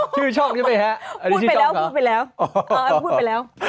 พูดไปแล้วพูดไปแล้วพูดไปแล้ว